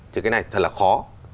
thì cái này thật là khó